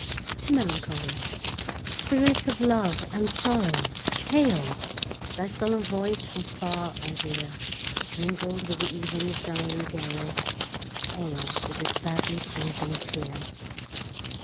TO MELANCHOLY Spirit of love and sorrow—hail! Thy solemn voice from far I hear, Mingling with ev'ning's dying gale: Hail, with this sadly pleasing tear!